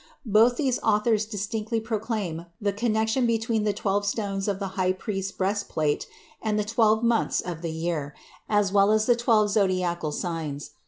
Both these authors distinctly proclaim the connection between the twelve stones of the high priest's breastplate and the twelve months of the year, as well as the twelve zodiacal signs.